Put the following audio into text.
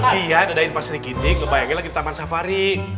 dia mendadakin pak sri giting ngebayangin lagi di taman safari